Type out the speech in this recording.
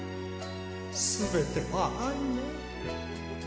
全ては愛ね。